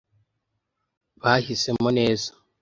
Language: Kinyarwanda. Bahisemo neza.